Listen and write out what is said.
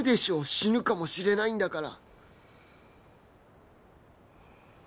死ぬかもしれないんだから